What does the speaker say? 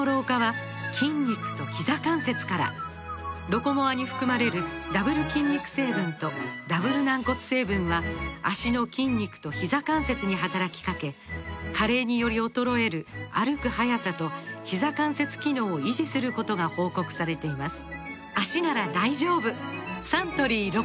「ロコモア」に含まれるダブル筋肉成分とダブル軟骨成分は脚の筋肉とひざ関節に働きかけ加齢により衰える歩く速さとひざ関節機能を維持することが報告されています